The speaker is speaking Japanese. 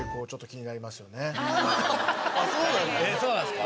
そうなんですね。